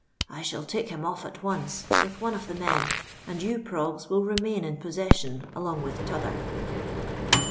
"I shall take him off at once, with one of the men; and you, Proggs, will remain in possession along with t'other."